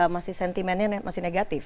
masih sentimennya masih negatif